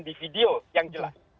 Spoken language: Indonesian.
di video yang jelas